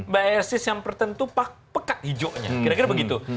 basis yang tertentu pekat hijaunya kira kira begitu